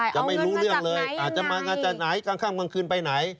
ใช่เอาเงินมาจากไหนอาจจะมาจากไหนข้างกลางคืนไปไหน